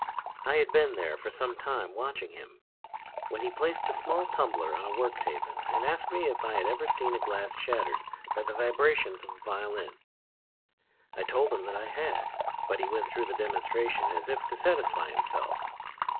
I had been there for some time watching him when he placed a small tumbler on a work table and asked me if I had ever seen glass shattered by the vibrations of a violin. I told him that I had, but he went through the demonstration as if to satisfy himself.